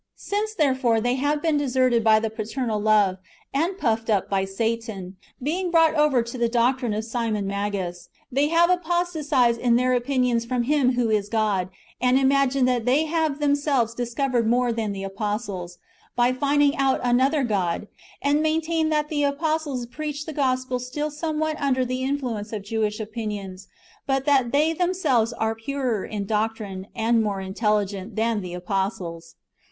Since, therefore, they have been deserted by the paternal love, and puffed up by Satan, being brought over to the doctrine of Simon Magus, they have apostatized in their opinions from Him who is God, and imagined that they have themselves discovered more than the apostles, by finding out another God; and [maintained] that the apostles preached the gospel still somewhat under the influence of Jewish opinions, but that they themselves are purer [in doctrine], and more intelligent, than the apostles.